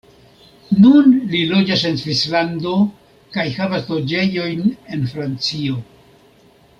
Nun li loĝas en Svislando kaj havas loĝejojn en Francio.